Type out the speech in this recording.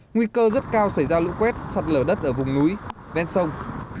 nguy cơ rất cao xảy ra lũ quét sạt lở đất ở vùng núi ven sông